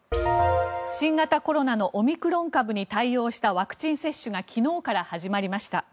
新型コロナのオミクロン株に対応したワクチン接種が昨日から始まりました。